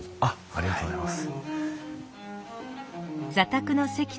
ありがとうございます。